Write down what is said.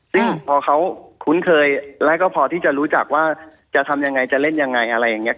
ซึ่งพอเขาคุ้นเคยแล้วก็พอที่จะรู้จักว่าจะทำยังไงจะเล่นยังไงอะไรอย่างนี้